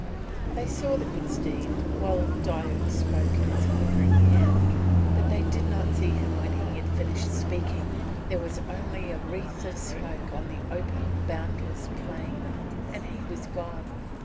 They saw the good steed while Diuk spoke in his quivering ear, but they did not see him when he had finished speaking there was only a wreath of smoke on the open boundless plain, and he was gone.